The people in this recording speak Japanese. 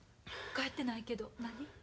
帰ってないけど何？